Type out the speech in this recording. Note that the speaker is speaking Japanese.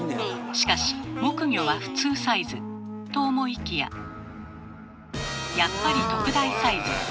しかし木魚は普通サイズ。と思いきややっぱり特大サイズ。